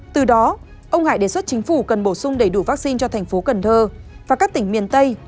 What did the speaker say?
từ đó ông hải đề xuất chính phủ cần bổ sung đầy đủ vaccine cho thành phố cần thơ và các tỉnh miền tây